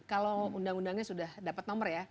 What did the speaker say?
kalau undang undangnya sudah dapat nomor ya